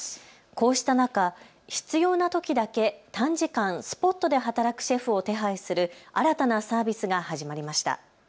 こうした中、必要なときだけ短時間、スポットで働くシェフを手配する新たなサービスが始まりました。